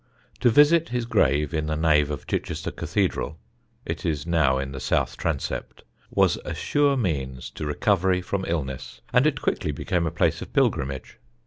To visit his grave in the nave of Chichester Cathedral (it is now in the south transept) was a sure means to recovery from illness, and it quickly became a place of pilgrimage.